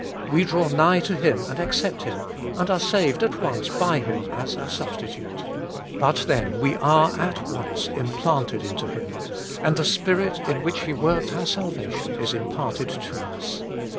We draw nigh to Him and accept Him, and are saved at once by Him as our Substitute. But then we are at once implanted into Him, and the spirit in which He worked our salvation is imparted to us.